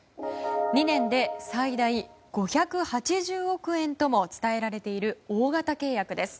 ２年で最大５８０億円とも伝えられている大型契約です。